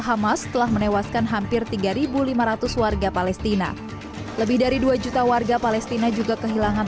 hamas telah menewaskan hampir tiga ribu lima ratus warga palestina lebih dari dua juta warga palestina juga kehilangan